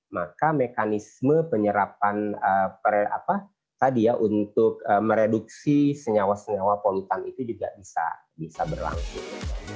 maka mekanisme penyerapan tadi ya untuk mereduksi senyawa senyawa polutan itu juga bisa berlangsung